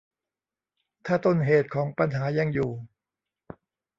ถ้าต้นเหตุของปัญหายังอยู่